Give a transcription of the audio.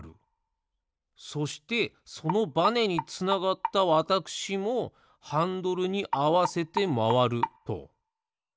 そしてそのバネにつながったわたくしもハンドルにあわせてまわると。